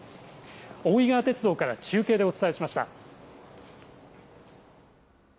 大井川鉄道から中継でお伝えしました。